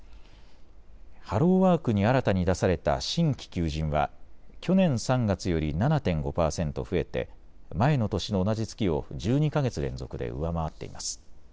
ハローワークに新たに出された新規求人は去年３月より７．５％増えて前の年の同じ月を１２か月連続で上回っています。